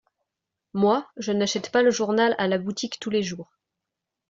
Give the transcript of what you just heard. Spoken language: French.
Moi, je n’achète pas le journal à la boutique tous les jours.